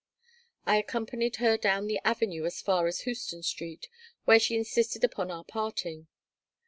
I accompanied her down the avenue as far as Houston Street, where she insisted upon our parting.